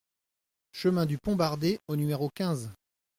Chemin du Pont Bardé au numéro quinze